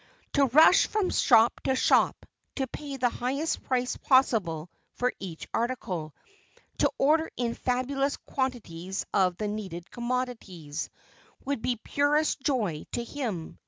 To rush from shop to shop, to pay the highest price possible for each article, to order in fabulous quantities of the needed commodities, would be purest joy to him.